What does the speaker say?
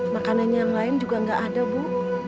makanan yang lain juga nggak ada bu